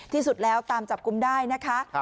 ที่สุดแล้วตามจับกลุ่มได้นะคะ